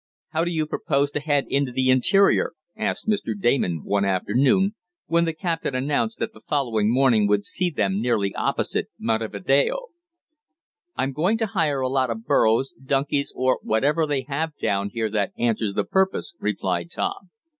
"How do you propose to head into the interior?" asked Mr. Damon one afternoon, when the captain announced that the following morning would see them nearly opposite Montevideo. "I'm going to hire a lot of burrows, donkeys or whatever they have down here that answers the purpose," replied Tom.